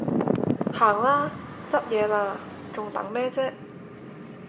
行啦，執嘢喇，仲等咩啫？